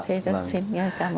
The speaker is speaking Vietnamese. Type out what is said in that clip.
thế rất xin cảm ơn